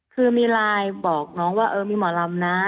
คือมีไลน์บอกน้องว่าเออมีหมอลำนะ